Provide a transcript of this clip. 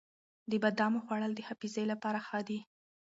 د بادامو خوړل د حافظې لپاره ښه دي.